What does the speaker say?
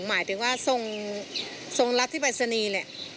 หมายถึงว่าทรงรัฐที่ปรัชนีเนี่ย